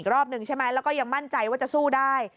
อีกรอบนึงใช่มั้ยแล้วก็ยังมั่นใจว่าจะสู้ได้